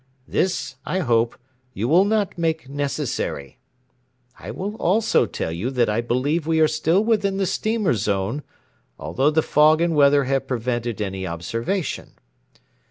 This, I hope, you will not make necessary. I will also tell you that I believe we are still within the steamer zone, although the fog and weather have prevented any observation.